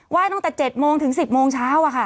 ตั้งแต่๗โมงถึง๑๐โมงเช้าอะค่ะ